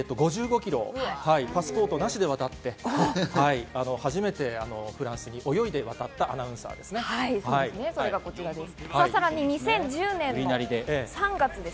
パスポートなしで渡って、初めてフランスに泳いで渡ったアナウンサーです。